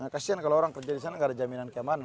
kasian kalau orang kerja di sana nggak ada jaminan keamanan